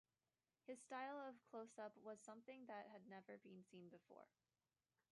His style of close-up was something that had never been seen before.